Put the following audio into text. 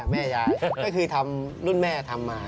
แม่ยายก็คือทำรุ่นแม่ทำมา